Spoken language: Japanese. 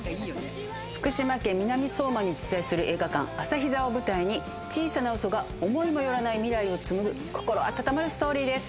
福島県南相馬に実在する映画館・朝日座を舞台に小さな嘘が思いもよらない未来を紡ぐ心温まるストーリーです。